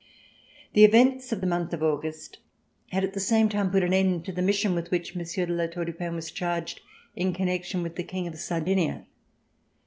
The events of the month of August had at the same time put an end to the mission with which Monsieur de La Tour du Pin was charged, in connec tion with the King of Sardinia.